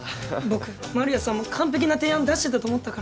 僕丸谷さんも完璧な提案出してたと思ったから。